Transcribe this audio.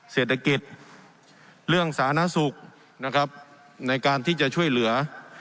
เศรษฐกิจเรื่องสาธารณสุขนะครับในการที่จะช่วยเหลือ